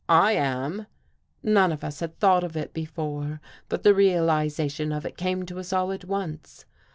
" I am." None of us had thought of it before, but the realization of it came to us all at once.